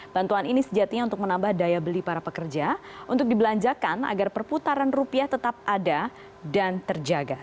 bantuan ini sejatinya untuk menambah daya beli para pekerja untuk dibelanjakan agar perputaran rupiah tetap ada dan terjaga